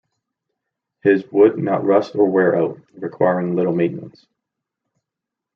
His would not rust or wear out, requiring little maintenance.